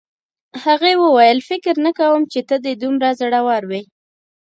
هغې وویل فکر نه کوم چې ته دې دومره زړور وې